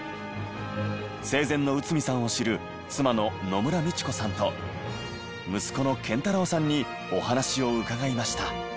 生前の内海さんを知る妻の野村道子さんと息子の賢太郎さんにお話を伺いました。